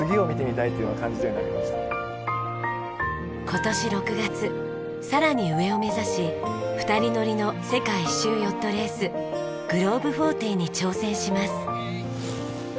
今年６月さらに上を目指し２人乗りの世界一周ヨットレースＧｌｏｂｅ４０に挑戦します。